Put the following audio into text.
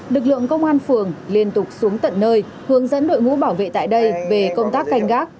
lực lượng công an phường liên tục xuống tận nơi hướng dẫn đội ngũ bảo vệ tại đây về công tác canh gác